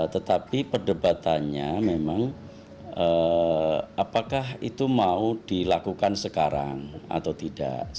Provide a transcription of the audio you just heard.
tetapi perdebatannya memang apakah itu mau dilakukan sekarang atau tidak